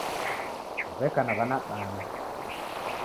W'eka na w'ana bana.